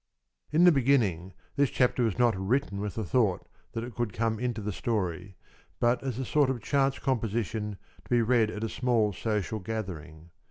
In the beginning this chapter was not written with the thought that it could come into the story, but as a sort of chance composition to be read at a small social gathering.